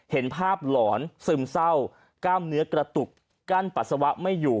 เห็นภาพหลอนซึมเศร้ากล้ามเนื้อกระตุกกั้นปัสสาวะไม่อยู่